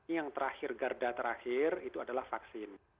yang terakhir garda terakhir itu adalah vaksin